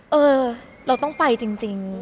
เออเราต้องไปจริง